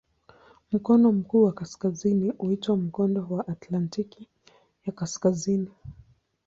Mkono huu wa kaskazini huitwa "Mkondo wa Atlantiki ya Kaskazini".